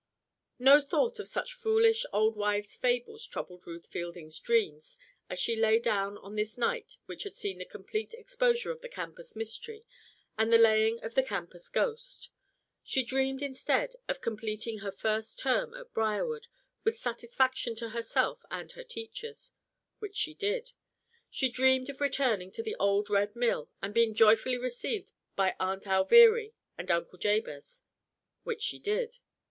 No thought of such foolish, old wives' fables troubled Ruth Fielding's dreams as she lay down on this night which had seen the complete exposure of the campus mystery and the laying of the campus ghost. She dreamed, instead, of completing her first term at Briarwood with satisfaction to herself and her teachers which she did! She dreamed of returning to the old Red Mill and being joyfully received by Aunt Alviry and Uncle Jabez which she did!